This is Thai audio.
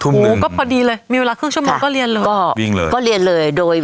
โอ้วก็พอดีเลยมีเวลาเท่า๑๕ชั่วโมงก็เรียนเลย